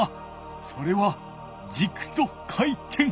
それはじくと回転。